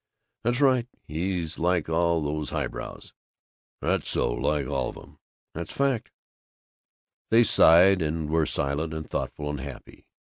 "That's right, he's like all these highbrows." "That's so, like all of 'em." "That's a fact." They sighed, and were silent and thoughtful and happy.